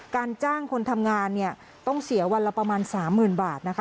การจ้างคนทำงานเนี่ยต้องเสียวันละประมาณ๓๐๐๐บาทนะคะ